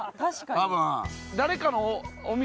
多分。